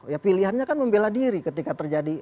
ya pilihannya kan membela diri ketika terjadi